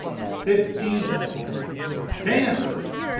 Fifteen! Ten!